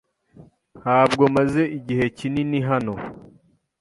Ntabwo maze igihe kinini hano.